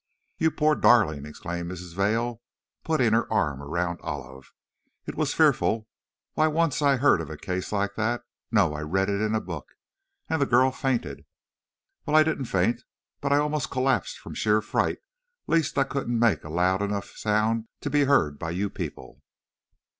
"You poor darling!" exclaimed Mrs. Vail, putting her arm round Olive, "it was fearful! Why, once I heard of a case like that no, I read it in a book, and the girl fainted!" "Well, I didn't faint, but I almost collapsed from sheer fright lest I couldn't make a loud enough sound to be heard by you people."